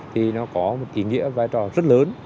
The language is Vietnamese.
thì nó có một ý nghĩa vai trò rất lớn